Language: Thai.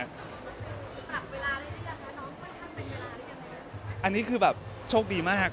อันนี้คือแบบโชคดีมาก